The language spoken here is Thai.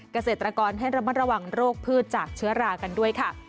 เกษตรกรให้ระมัดระวังโรคพืชจากเชื้อรากันด้วยค่ะ